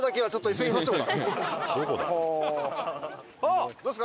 急ぎましょう！